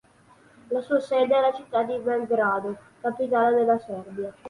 La sua sede è la città di Belgrado, capitale della Serbia.